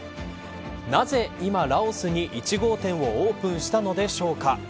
なぜ今、ラオスに１号店をオープンしたのでしょうか。